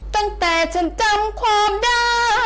แม่พาฉันไปเจาะหู